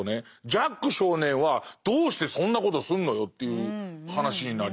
ジャック少年はどうしてそんなことすんのよという話になりますよね。